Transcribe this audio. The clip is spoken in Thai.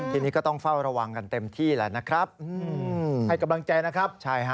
ทีนี้ก็ต้องเฝ้าระวังกันเต็มที่แหละนะครับให้กำลังใจนะครับ